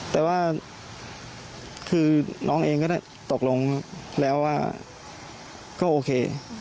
แต่ว่าคือน้องเองก็ได้ตกลงแล้วว่าก็โอเค